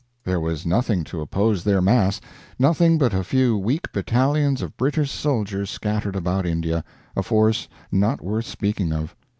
There was nothing to oppose their mass, nothing but a few weak battalions of British soldiers scattered about India, a force not worth speaking of.